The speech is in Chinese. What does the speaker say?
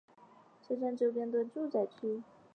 车站周边多为住宅区。